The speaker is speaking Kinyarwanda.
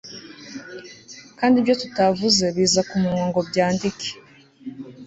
Kandi ibyo tutavuze biza kumunwa ngo byandike